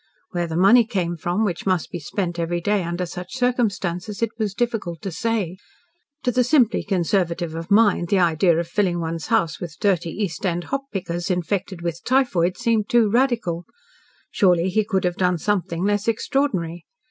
Where the money came from, which must be spent every day under such circumstances, it was difficult to say. To the simply conservative of mind, the idea of filling one's house with dirty East End hop pickers infected with typhoid seemed too radical. Surely he could have done something less extraordinary.